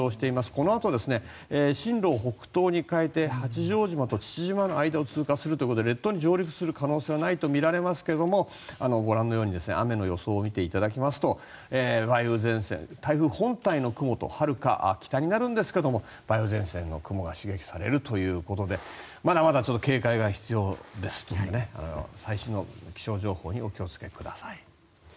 このあと、進路を北東に変えて八丈島と父島の間を通過するということで列島に上陸する可能性はないとみられますがご覧のように雨の予想を見ていただきますと台風本体の雲とはるか北になるんですが梅雨前線の雲が刺激されるということでまだまだ警戒が必要ですというか最新の気象情報にお気をつけください。